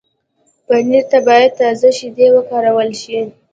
پنېر ته باید تازه شیدې وکارول شي.